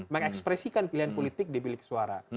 mengekspresikan pilihan politik di bilik suara